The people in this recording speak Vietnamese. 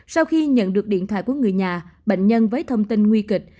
sau khi nhận được điện thoại của người nhà bệnh nhân với thông tin nguy kịch